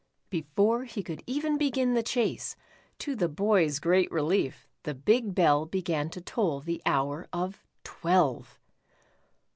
Before he could even begin the chase, to the boy's great relief the big bell began to toll the hour of twelve.